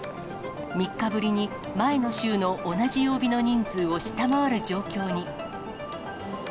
３日ぶりに前の週の同じ曜日の人数を下回る状況に。